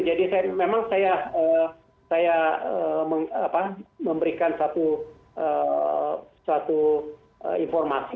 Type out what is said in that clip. jadi memang saya memberikan satu informasi